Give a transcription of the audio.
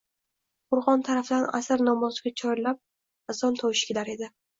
Qoʼrgʼon tarafdan asr namoziga chorlab azon tovushi kelar edi.